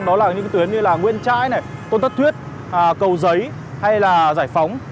đó là những tuyến như là nguyễn trãi tôn tất thuyết cầu giấy hay là giải phóng